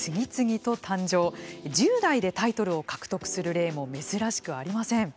１０代でタイトルを獲得する例も珍しくありません。